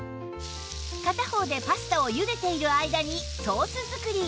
片方でパスタを茹でている間にソース作り